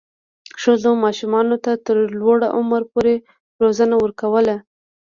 ښځو ماشومانو ته تر لوړ عمر پورې روزنه ورکوله.